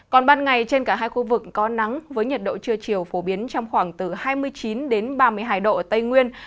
còn ban ngày trên cả hai khu vực có nắng với nhiệt độ trưa chiều phổ biến trong khoảng từ hai mươi chín đến ba mươi hai độ ở tây nguyên